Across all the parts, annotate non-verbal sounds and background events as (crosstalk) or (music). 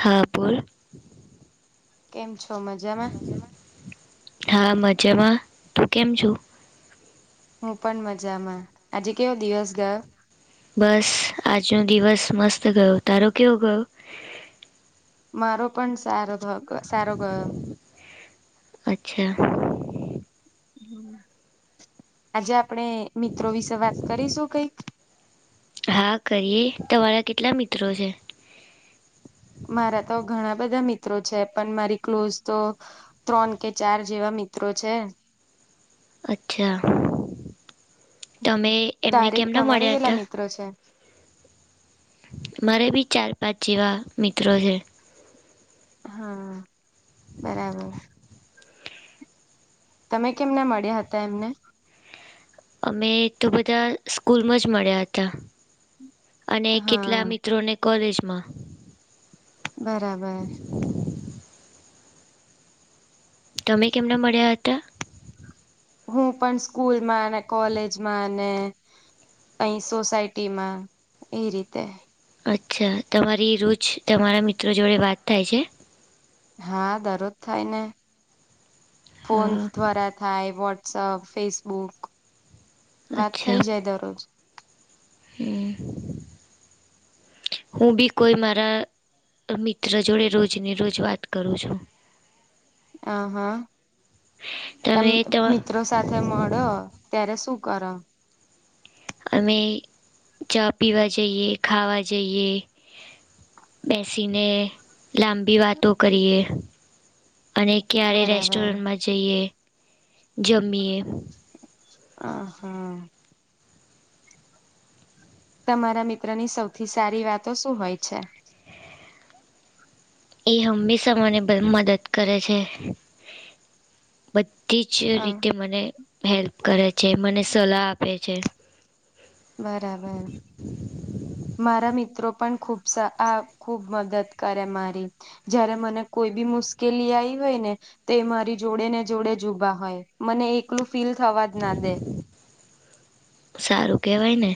હા બોલ કેમ છો મજામાં? હા મજામાં તું કેમ છો? હું પણ મજામાં. આજે કેવો દિવસ ગયો? બસ આજનો દિવસ મસ્ત ગયો. તારો કેવો ગયો? મારો પન સારો સારો ગયો. અચ્છા આજે આપણે મિત્રો વિશે વાત કરીશું કંઈક હા કરીએ તમારા કેટલા મિત્રો છે? મારા તો ઘણા બધા મિત્રો છે પણ મારી ક્લોઝ તો ત્રણ કે ચાર જેવા મિત્રો છે. અચ્છા તમે એમને તારે કેમના તમારે મળ્યા કેટલા હતા? મિત્રો છે. મારે બી ચાર પાંચ જેવા મિત્રો છે. હા બરાબર તમે કેમને મળ્યા હતા એમને અમે તો બધા સ્કૂલમાં જ મળ્યા હતા. અને હા કેટલા મિત્રોને કોલેજમાં બરાબર તમે કેમના મળ્યા હતા? હું પણ સ્કૂલમાં ને કોલેજમાં ને કહી સોસાયટી માં એ રીતે અચ્છા તમારી રોજ તમારા મિત્રો જોડે વાત થાય છે? હા દરરોજ થાય ને ફોન હા દ્વારા થાય વોટ્સઅપ ફેસબુક વાત અચ્છા થઈ જાય દરરોજ હું બી કોઈ મારા મિત્ર જોડે રોજને રોજ વાત કરું છું. આ હા તમે મિત્રો સાથે મળો ત્યારે શું કરો? અમે ચા પીવા જઈએ, ખાવા જઈએ, બેસીને લાંબી વાતો કરીએ. અને ક્યારે બરાબર રેસ્ટોરન્ટમાં જઈએ જમીએ. આ હા તમારા મિત્રો ની સૌથી સારી વાતો શું હોય છે? એ હંમેશા મને મદદ કરે છે. બધી જ હ રીતે મને હેલ્પ કરે છે, મને સલાહ આપે છે. બરાબર મારા મિત્રો પણ ખુબ આ ખુબ મદદ કરે મારી જયારે મને કોઈ બી મુશ્કેલી આવી હોય ને તો મારી જોડે ને જોડે જ ઉભા હોય મને એકલું ફીલ થવા જ ના દે સારું કેવાય ને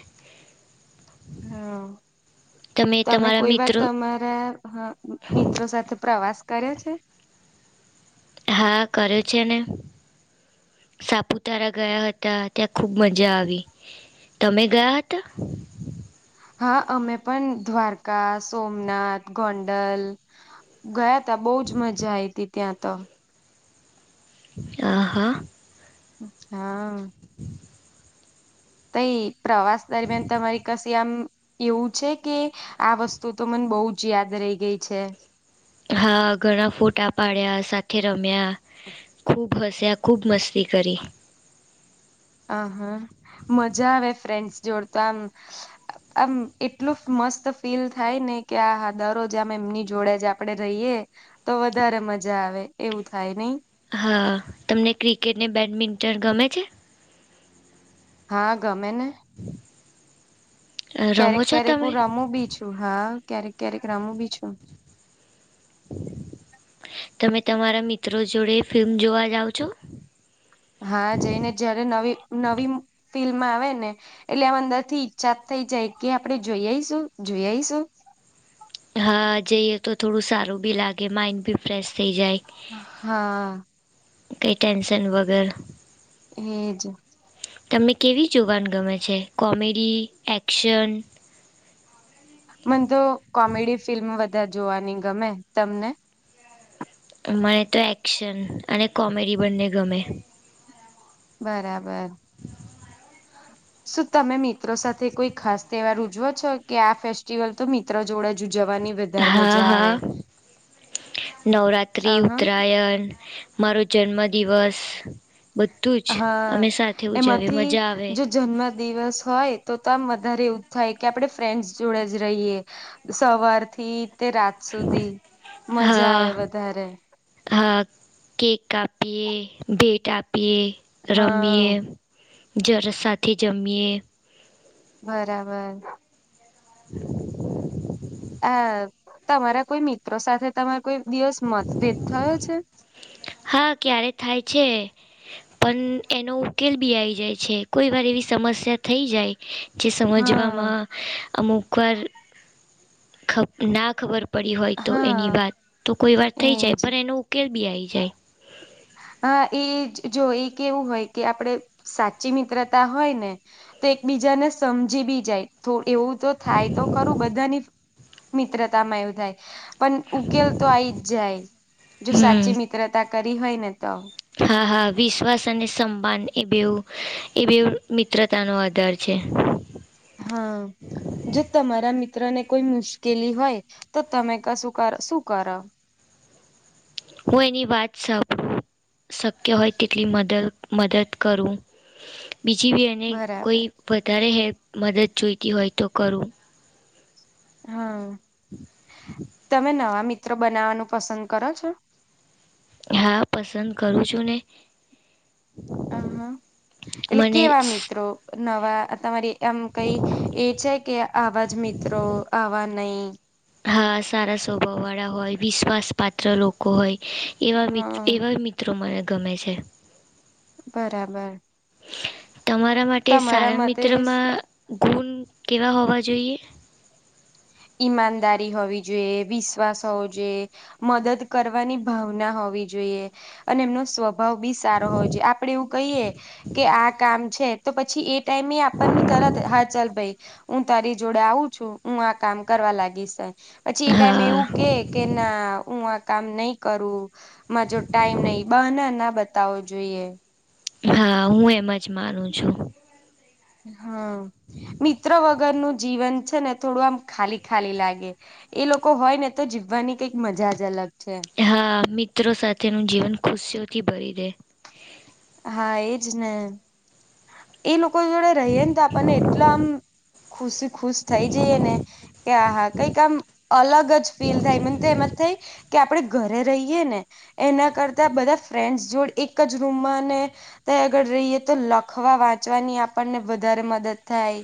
હા તમે તમારા કોઈ વાર મિત્રો તમારા મિત્રો સાથે પ્રવાસ કરયો છે? હા કર્યૉ છે ને. સાપુતારા ગયા હતા ત્યાં ખૂબ મજા આવી. તમે ગયા હતા? હા અમે પણ દ્વારકા સોમનાથ ગોંડલ ગયા બહુ જ મજા આઈ હતી ત્યાં તો આહા હા તઈ પ્રવાસ દરમિયાન તમારી કશી આમ એવું છે કે, આ વસ્તુ તો મન બઉ જ યાદ રહી ગઈ છે. હા, ઘણા ફોટા પાડ્યા, સાથે રમ્યા ખૂબ હસ્યા, ખૂબ મસ્તી કરી. અ હમ, મજા આવે ફ્રેન્ડ્સ જોડ તો આમ આમ એટલું મસ્ત ફીલ થાય ને કે આહા દરોજ આમ એમની જોડે જ આ આપડે રઈએ તો વધારે મજા આવે એવું થાય નઈ. હા, તમને ક્રિકેટ ને બેડમિન્ટન ગમે છે? હા, ગમે ને. (inaudible) રમો ક્યારેક છો ક્યારેક તમે હું રમું બી છું. હા, ક્યારેક ક્યારેક રમું બી છું. તમે તમારા મિત્રો જોડે ફિલ્મ જોવા જાવ છો? હા, જઈને જયારે નવી-નવી ફિલ્મ આવે ને એટલે આમ અંદરથી ઈચ્છા થઈ જાય કે આપડે જોઈ આઈશું જોઈ આઈશું. હા, જઈએ તો થોડું સારું બી લાગે. માઇન્ડ બી ફ્રેશ થઈ જાય. હા. કઈ ટેન્શન વગર. એ જ. તમે કેવી જોવાન ગમે છે? કોમેડી? એક્શન? મન તો કોમેડી ફિલ્મ વધાર જોવાની ગમે. તમને? મને તો એક્શન અને કોમેડી બંને ગમે. બરાબર. શું તમે મિત્રો સાથે કોઈ ખાસ તહેવાર ઉજવો છો? કે આ ફેસ્ટિવલ તો મિત્રો જોડે જ ઉજવાની હા, હા નવરાત્રી, અહ ઉત્તરાયણ મારો જન્મદિવસ બધું જ અમે સાથે ઉજવીએ મજા આવે. જન્મદિવસ હોય તો તો આમ વધારે એવું જ થાય કે આપડે ફ્રેન્ડસ જોડે જ રહીએ. સવારથી તે રાત સુધી, મજા હા આવે વધારે. હા, કેક કાપીએ, ભેટ આપીએ, રમીએ હા જર સાથે જમીએ બરાબર. (inaudible) અ તમારા કોઈ મિત્ર સાથે તમાર કોઈ દિવસ મતભેદ થયો છે? હા, ક્યારે થાય છે. પણ એનો ઉકેલ બી આઈ જાય છે. કોઈ વાર એવી સમસ્યા થઈ જાય જે હા સમજવામાં અમુકવાર ખબ ના ખબર પડી હોય તો એની હા વાત, તો કોઈવાર થઈ જાય એજ પણ એનું ઉકેલ બી આઈ જાય. હા, એ જ જો એ કેવું હોય કે આપડે સાચી મિત્રતા હોય ને તો એકબીજાને સમજી બી જાય. થોડ એવું તો થાય તો ખરું, બધાની મિત્રતામાં એવું થાય પણ ઉકેલ તો આઈ જ જાય. જો હમ સાચી મિત્રતા કરી હોય ને તો. હા, હા વિશ્વાસ અને સમાન એ બેવ એ બેવ મિત્રતાનો આધાર છે. હમ. જો તમારા મિત્રને કોઈ મુશ્કેલી હોય તો તમે કશું કર શું કરો? હું એની વાત સા (unintelligible) શક્ય હોય તેટલી મદલ મદદ કરું. બીજી બી એની કોઈ બરાબર વધારે હેલ્પ મદદ જોઈતી હોય તો કરું. હા, તમે નવા મિત્રો બનાવાનું પસંદ કરો છો? હા, પસંદ કરું છું ને. હ હા એટલે મને કેવા મિતિત્રો નવા તમારી આમ કઈ એ છે કે આવા જ મિત્રો આવા નહી હા સારા સ્વભાવ વાળા હોય વિશ્વાસ પાત્ર લોકો હોય એવા મિત હા એવા મિત્રો મને ગમે છે બરાબર તમારા માટે તમારા સારા મતે મિત્રમાં ગુણ કેવા હોવા જોઈએ. ઈમાનદારી હોવી જોઈએ વિશ્વાસ હોવો જોઈએ. મદદ કરવાની ભાવના હોવી જોઈએ અને એમનો સ્વ ભાવ બી સારો હોય છે આપડે એવું કહીએ કે આ કામ છે. તો પછી એ ટાઈમે આપણને તરત હા ચાલ ભાઈ હું તારી જોડે આવું છું હું કામ કરવા લાગી છે પછી એ ટાઈમે હા એવું કે કે ના હું કામ નહી કરું માં જો ટાઈમ નહી બને ના બતાવો જોઈએ. હા હું એમ જ માનું છું. હમ મિત્ર વગર નું જીવન છે ને થોડું આમ ખાલી ખાલી લાગે એ લોકો હોય ને તો જીવવાની કંઈક મજા જ અલગ છે. હા મિત્રો સાથેનું જીવન ખુશીઓથી ભરી દે. હા એજ ને. એ લોકો જોડે રહીએ ને તો આપણને એટલા આમ ખુશી ખુશ થઈ જઈએ ને કે આ હા કઈક આમ અલગ જ ફીલ થાય મને તો એમાં થ કે આપણે ઘરે રહીએ ને એના કરતા બધા ફ્રેન્ડસ જોડે એક જ રૂમમાંને ત આગળ રહીેએ તો લખવા વાંચવાની આપણને વધારે મદદ થાય.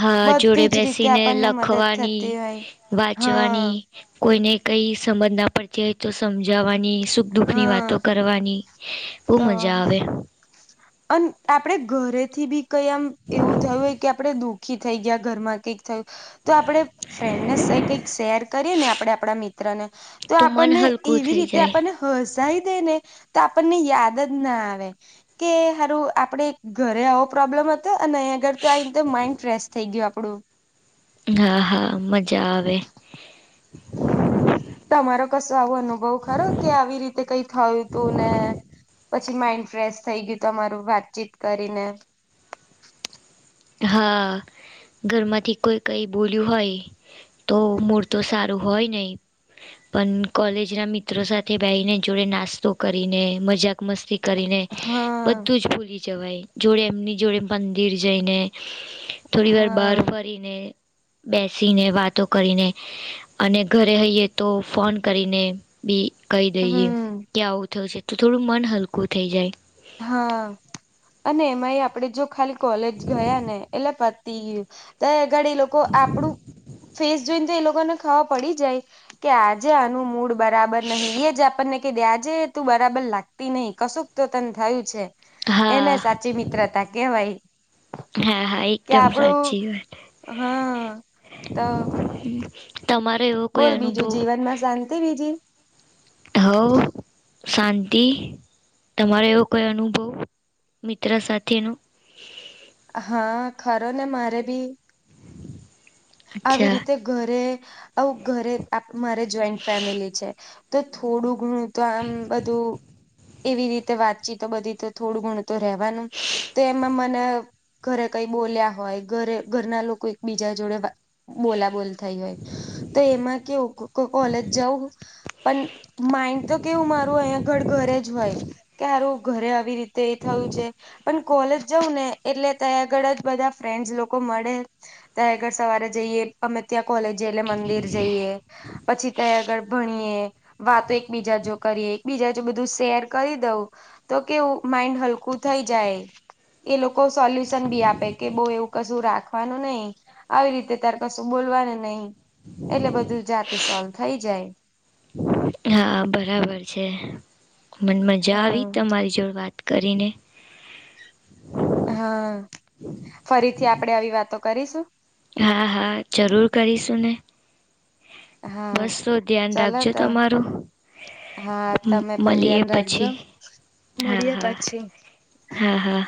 હા જોડે બધી જ રીતે બેસીને આપણને મદદ લખવાની થતી હોય વાંચવાની હા કોઈને કઈ સમજ ના પડ તંય તો સમજાવવાની સુખ દુઃખની હા વાતો કરવાની બહુ મજા આવે. અને આપડે ઘરેથી બી કઈ આમ એવું થયું હોય કે આપડે દુખ આખી થઈ ગયા ઘરમાં કંઈક થયું. તો આપડે ફ્રેન્ડને સ કઈક શેર કરીએ ને આપણે આપણા મિત્રને તો મન આપણને હલકું એવી થઈ રીતે જાય આપણને હ સહી થે ને તો આપણને યાદ જ ના આવે. કે સારું આપડે ઘરે આવો પ્રોબ્લેમ હ અનેહી અગર તો આને માઇન્ડ ફેશ થઈ ગયું આપડું હા હા મજા આવે. એમનેમ તમારો કશો આવો અનુભવ ખરો કે આવી રીતે કઈ થયું હતું ને પછી માઈન્ડ ફ્રેશ થઈ ગયું તમારું વાતચીત કરીને. હા ઘરમાંથી કોઈ કઈ બોલ્યું હોય તો મૂળ તો સારું હોય નહીં. પણ કોલેજ ના મિત્રો સાથે ભાઈને જોડે નાસ્તો કરીને મજા મક મસ્તી કરીને હા બધું જ ભૂલી જવાય જોડે એમની જોડે મંદિર જઈને થોડી વાર બહાર હા ફરીને બેસીને વાતો કરીને અને ઘરે હઈએ તો ફોન કરીને. બી કહી દઈએ હમ કે આવું થયશે તો થોડું મન હલકું થઈ જાય. હા અને એમાંય આપડે જો ખાલી કોલેજ ગયા ને એટલે અગર એ લોકો આપડું ફેસ જોઈને તો એ લોકોને ખ પડી જાય કે આજે આનું મૂડ બરાબર નહી એ જ આપણને કે્યાજે તું બરાબર લાગતી નહિ કશુંક તો તને થયું છે. એને હા સાચી મિત્રતા કેવાય હા હા કે એકદમ આપડું સાચી વાત હા તો તમારે એવું બોલ બીજું જીવનમાં શાંતિ બીજી હવ શાંતિ. તમારો એવો કોઈ અનુભવ મિત્ર સાથેનું. હા, ખરું ને! મારે પણ. આવી અચ્છા રીતે ઘરે મારે જોઈન્ટ ફેમિલી છે, એટલે થોડું ઘણું બધું સાથે મળીને કરીએ છીએ. ઘરે મારે જોઈન્ટ ફેમિલી છે, તો આમ બધી વાતચીત એવી રીતે થાય છે, એટલે થોડું ઘણું બધું સમજાય છે. તો રહેવાનું તો એમાં મને ઘરે કંઈ બોલ્યા હોય, ઘરે ઘરના લોકો એકબીજા જોડે વા બોલાબોલ થઈ હોય, તો એમાં કેવુ કો કોલેજ જવું પણ માઇન્ડ તો કેવું મારું અહીંયા ઘડ ઘરે જ હોય, કે હારુ ઘરે આવી રીત તે થયું છે, પણ કોલેજ જઉં ને એટલે ત્યાં આગળ જ બધા ફ્રેન્ડ લોકો મળે, ત્યાં આગળ સવારે જઈએ અમે ત્યાં કોલેજ જઈએ, એટલે મંદિર જઈએ, પછી ત્યાં આગળ ભણીએ. વાતો એકબીજા જો કરીએ, એકબીજા જો બધું શેર કરી દઉં. તો કેવું માઇન્ડ હલકું થઈ જાય. એ લોકો સોલ્યુશન બી આપે, કે બઉ એવુ કશું રાખવાનું નહી, આવી રીતે યાર, કશું બોલવાનું નહીં, એટલે બધું જાતે સોલ્વ થઈ જાય. હા, બરાબર છે. મન મજા હા આવી તમારી જોડે વાત કરીને હા, ફરીથી આપણે આવી વાતો કરીશું. હા હા, જરૂર કરીશું ને. હા બસ, તો ધ્યાન ચાલો રાખજો તો તમારું. હા અમ તમે પણ મળીએ ધ્યાન રાખજો પછી, હા મળીએ હા પછી હા હા